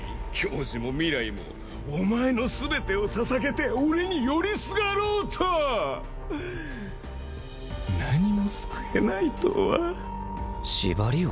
矜持も未来もお前の全てをささげて俺に寄りすがろうと何も救えないとは。